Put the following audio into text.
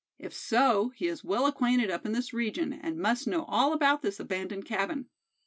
If so, he is well acquainted up in this region, and must know all about this abandoned cabin.